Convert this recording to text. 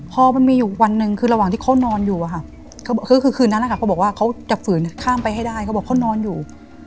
พอมันมีอยู่วันหนึ่งคือระหว่างที่เขานอนอยู่อะค่ะคือคืนนั้นนะคะเขาบอกว่าเขาจะฝืนข้ามไปให้ได้เขาบอกเขานอนอยู่